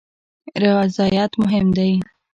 رضایت مهم دی